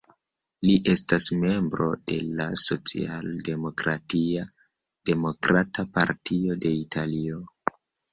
Li estas membro de la socialdemokratia Demokrata Partio de Italio.